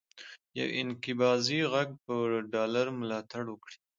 یو انقباضي غږ به د ډالر ملاتړ وکړي،